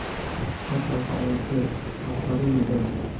آچار فرانسه، آچار لوله